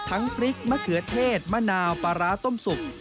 พริกมะเขือเทศมะนาวปลาร้าต้มสุก